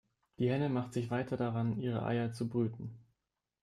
Die Henne machte sich weiter daran, ihre Eier zu brüten.